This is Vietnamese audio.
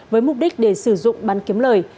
với mục đích để sử dụng bán kiếm lời